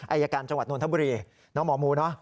อายการจังหวัดนทบุรีน้องหมอหมูเนอะ